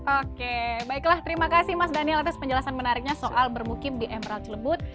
oke baiklah terima kasih mas daniel atas penjelasan menariknya soal bermukim di emerald cilebut